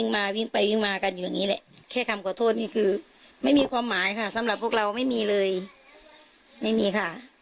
ไม่มีความหมายค่ะสำหรับพวกเราไม่มีเลยไม่มีค่ะ